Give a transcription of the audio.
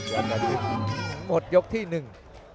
หมดยกที่หนึ่ง